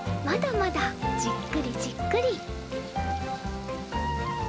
まだまだじっくりじっくり。